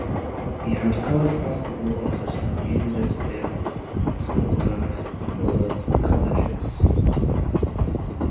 He had college basketball offers from the University of Toledo and other colleges.